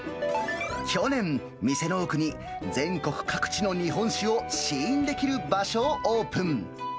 去年、店の奥に全国各地の日本酒を試飲できる場所をオープン。